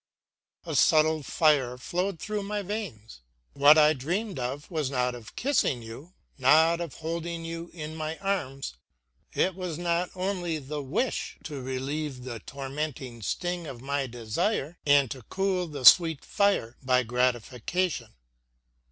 A subtle fire flowed through my veins. What I dreamed was not of kissing you, not of holding you in my arms; it was not only the wish to relieve the tormenting sting of my desire, and to cool the sweet fire by gratification.